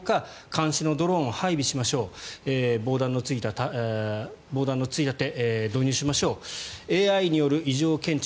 監視のドローンを配備しましょう防弾のついたて導入しましょうＡＩによる異常検知。